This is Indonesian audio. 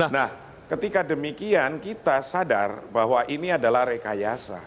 nah ketika demikian kita sadar bahwa ini adalah rekayasa